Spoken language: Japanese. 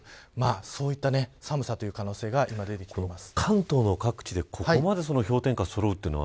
そういった寒さという可能性が今、出てきています。